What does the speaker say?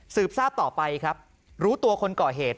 ทราบต่อไปครับรู้ตัวคนก่อเหตุ